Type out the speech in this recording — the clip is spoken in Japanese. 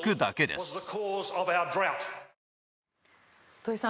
土井さん